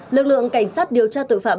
lực lượng cảnh sát điều tra tội phạm